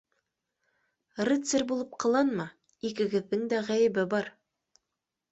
— Рыцарь булып ҡыланма, икегеҙҙең дә ғәйебе бар!